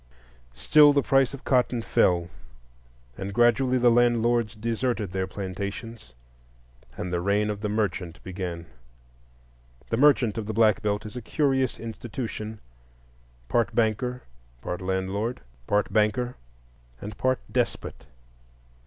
Still the price of cotton fell, and gradually the landlords deserted their plantations, and the reign of the merchant began. The merchant of the Black Belt is a curious institution,—part banker, part landlord, part banker, and part despot.